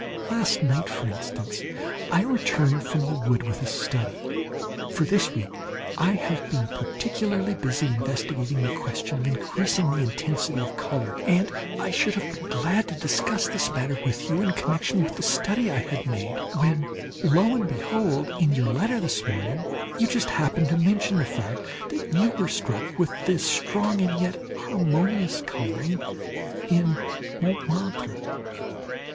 Last night, for instance, I returned from the wood with a study for this week I have been particularly busy investigating the question of increasing the intensity of colour and I should have been glad to discuss this matter with you in connection with the study I had made, when lo and behold! in your letter this morning, you just happen to mention the fact that you were struck with the strong and yet harmonious colouring in Montmartre.